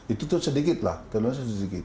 itu sedikit lah kenapa sedikit